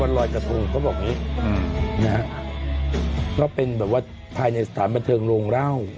วันรอยกระโภงเขาบอกนี้นะครับก็เป็นแบบว่าภายในสถานบัตรเทิงโรงร่าว